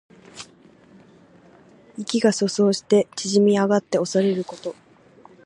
意気が阻喪して縮み上がっておそれること。